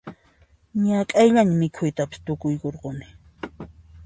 Ñak'ayllaña mikhuyta tukuyuruni